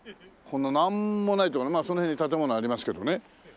このなんもないその辺に建物ありますけどね。